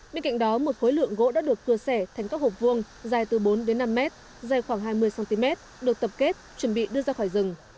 bên cạnh đó một khối lượng gỗ đã được cưa sẻ thành các hộp vuông dài từ bốn năm m dài khoảng hai mươi cm được tập kết chuẩn bị đưa ra khỏi rừng